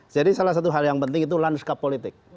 jadi salah satu hal yang penting itu landscape politik